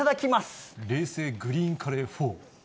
冷製グリーンカレーフォー。